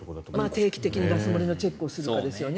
定期的にガス漏れのチェックをするかですよね。